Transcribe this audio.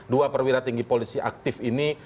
dua perwira tinggi polisi aktif ini